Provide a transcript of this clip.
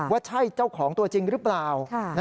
ว่าใช่เจ้าของตัวจริงหรือเปล่า